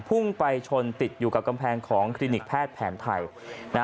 พุ่งไปชนติดอยู่กับกำแพงของคลินิกแพทย์แผนไทย